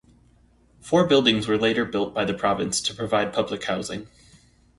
Four buildings were later built by the province to provide public housing.